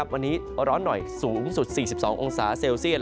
วันนี้ร้อนหน่อยสูงสุด๔๒องศาเซลเซียต